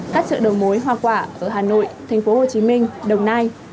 các chợ đầu mối hoa quả ở hà nội tp hcm đồng nai